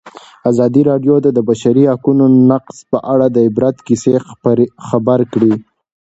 ازادي راډیو د د بشري حقونو نقض په اړه د عبرت کیسې خبر کړي.